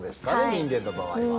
人間の場合は。